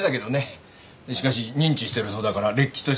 しかし認知してるそうだかられっきとした娘だよ。